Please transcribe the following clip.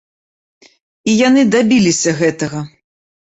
І яны дабіліся гэтага!